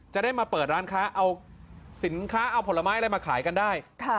จะได้มาเปิดร้านค้าเอาสินค้าเอาผลไม้อะไรมาขายกันได้